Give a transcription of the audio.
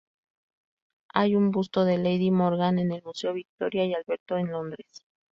Hay un busto de Lady Morgan en el Museo Victoria y Alberto en Londres.